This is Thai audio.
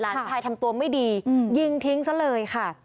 หลานชายทำตัวไม่ดียิงทิ้งซะเลยค่ะ